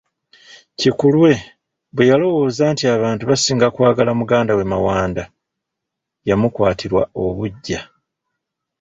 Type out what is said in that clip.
Kikulwe bwe yalowooza nti abantu basinga kwagala muganda we Mawanda, yamukwatirwa obuggya.